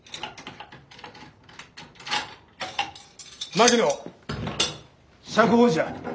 槙野釈放じゃ。